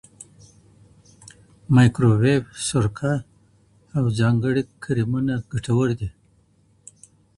مایکروویف، سرکه او ځانګړي کریمونه ګټور دي.